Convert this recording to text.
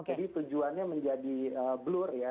jadi tujuannya menjadi blur ya